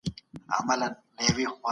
روښانه فکر غوسه نه جوړوي.